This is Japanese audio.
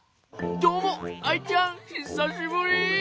どうもアイちゃんひさしぶり。